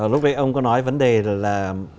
lúc đấy ông có nói vấn đề là